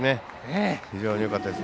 非常によかったです。